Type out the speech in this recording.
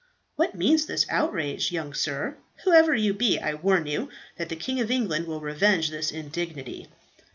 "What means this outrage, young sir? Whoever you be, I warn you that the King of England will revenge this indignity."